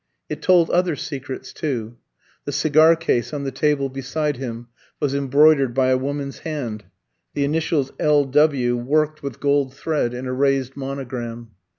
It told other secrets too. The cigar case on the table beside him was embroidered by a woman's hand, the initials L. W. worked with gold thread in a raised monogram.